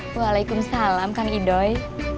waalaikumsalam kang idoi